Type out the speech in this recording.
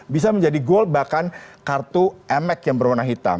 bisa menjadi gold bahkan kartu emek yang berwarna hitam